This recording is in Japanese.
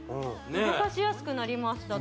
動かしやすくなりました